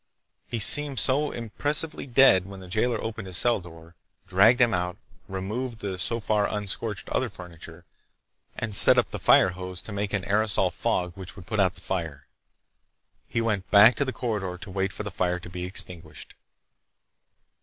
He seemed impressively dead when the jailer opened his cell door, dragged him out, removed the so far unscorched other furniture, and set up the fire hose to make an aerosol fog which would put out the fire. He went back to the corridor to wait for the fire to be extinguished.